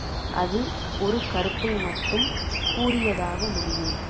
அது ஒரு கருத்தை மட்டும் கூறியதாக முடியும்.